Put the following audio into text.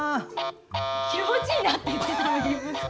気持ちいいなって言ってるのに。